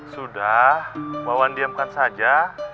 sudah wawan diamkan saja